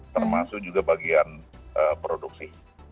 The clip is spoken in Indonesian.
termasuk juga bagian produksi